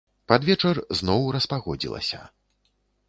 Пад вечар зноў распагодзілася.